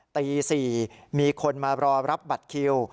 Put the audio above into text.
ตี๔มีคนมารอรับบัตรคิว